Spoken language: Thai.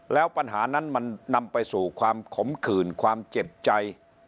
แล้วปัญหานั้นมันนำไปสู่ความขมขื่นความเจ็บใจ